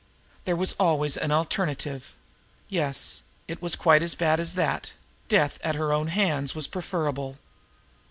There was always an alternative. Yes, it was quite as bad as that death at her own hands was preferable.